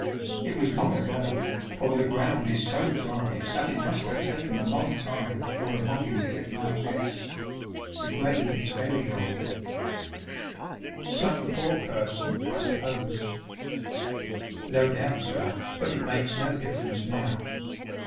It was long ago, for the ground is so dry that it must have taken a long time for a body to get like this ; the grave is very old." cH. VI. Alfriston and Wilmington. 83 " Some poor person, I suppose \" "No doubt, sir, but it makes no difference now.